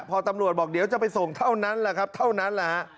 พอตำรวจบอกเดี๋ยวจะไปส่งเท่านั้นแหละครับเท่านั้นแหละฮะ